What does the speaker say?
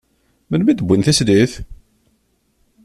Melmi i d-wwin tislit?